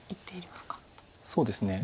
そうですね。